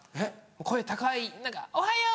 声高い何か「おはよう！」